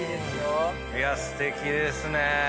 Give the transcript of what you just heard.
いやすてきですね。